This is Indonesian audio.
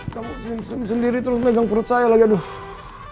kamu sendiri terus megang perut saya lagi aduh